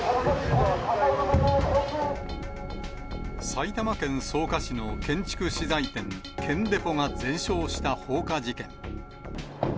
埼玉県草加市の建築資材店、建デポが全焼した放火事件。